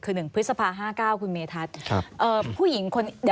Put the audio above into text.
คือ๑พฤษภา๕๙คุณเมทัศน์